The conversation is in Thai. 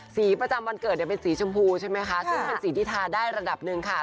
สีประจำวันเกิดเนี่ยเป็นสีชมพูใช่ไหมคะซึ่งเป็นสีที่ทาได้ระดับหนึ่งค่ะ